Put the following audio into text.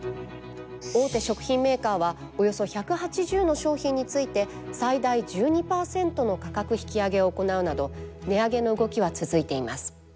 大手食品メーカーはおよそ１８０の商品について最大１２％の価格引き上げを行うなど値上げの動きは続いています。